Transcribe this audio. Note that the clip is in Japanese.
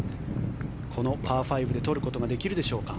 このパー５で取ることができるでしょうか。